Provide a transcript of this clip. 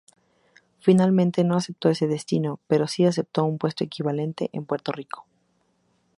Finalmente no aceptó ese destino, pero sí aceptó un puesto equivalente en Puerto Rico.